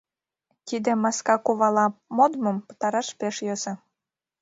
Тиде «маска кувала модмым» пытараш пеш йӧсӧ.